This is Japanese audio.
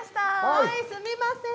はいすみません。